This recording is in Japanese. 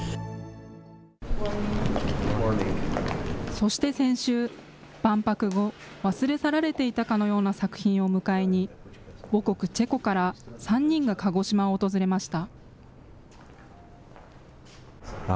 そして先週、万博後、忘れ去られていたかのような作品を迎えに、母国、チェコから３人が鹿児島を訪れました。